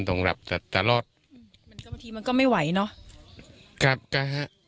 ต้องหลับแต่ตลอดอืมมันก็บางทีมันก็ไม่ไหวเนอะครับก็ฮะ